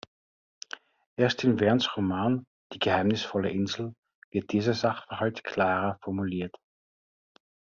Erst in Vernes Roman "Die geheimnisvolle Insel" wird dieser Sachverhalt klarer formuliert.